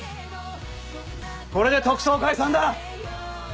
これで特捜解散だ！